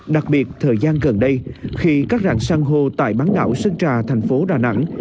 đặc biệt thời gian gần đây khi các rạng sang hô tại bán đảo sơn trà thành phố đà nẵng